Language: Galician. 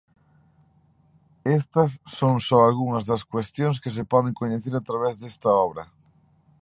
Estas son só algunhas das cuestións que se poden coñecer a través desta obra.